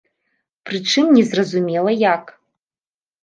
Прычым не зразумела як.